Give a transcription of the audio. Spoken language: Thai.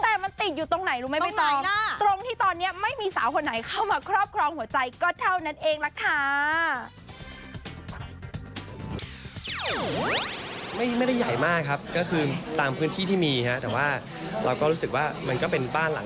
แต่มันติดอยู่ตรงไหนรู้ไหมใบตองตรงที่ตอนนี้ไม่มีสาวคนไหนเข้ามาครอบครองหัวใจก็เท่านั้นเองล่ะค่ะ